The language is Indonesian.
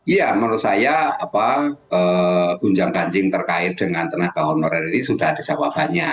ya menurut saya bunjang kancing terkait dengan tenaga honorer ini sudah ada jawabannya